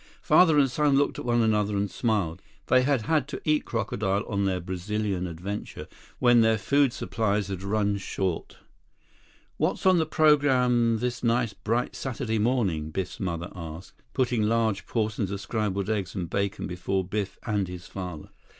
Father and son looked at one another and smiled. They had had to eat crocodile on their Brazilian adventure when their food supplies had run short. "What's on the program this nice bright Saturday morning?" Biff's mother asked, putting large portions of scrambled eggs and bacon before Biff and his father.